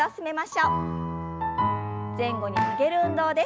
前後に曲げる運動です。